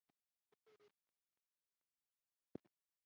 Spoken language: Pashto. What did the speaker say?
د پیرودونکي باور له زړه راځي.